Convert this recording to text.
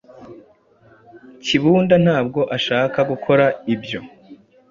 Kibunda ntabwo ashaka gukora ibyo.